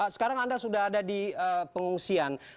sekarang anda sudah ada di pengungsian